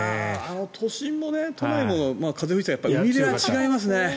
都心も都内も風ありましたけど海辺は違いますね。